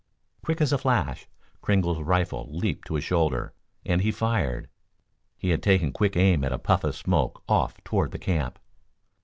Quick as a flash Kringle's rifle leaped to his shoulder, and he fired. He had taken quick aim at a puff of smoke off toward the camp.